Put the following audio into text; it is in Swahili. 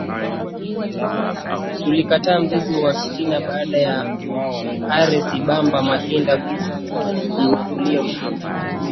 tukilikata mzizi wa fitna baada ya are sibamba makinda kujinyakulia ushindi